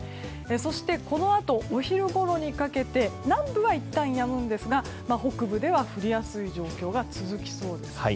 そして、このあとお昼ごろにかけて南部はいったんやむんですが北部では降りやすい状況が続きそうです。